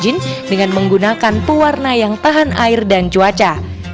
jangan lupa juga untuk menggunakan pelukis yang berwarna yang tahan air dan cuaca